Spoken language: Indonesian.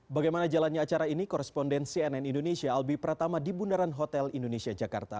bagaimana jalannya acara ini korespondensi nn indonesia albi pratama di bundaran hotel indonesia jakarta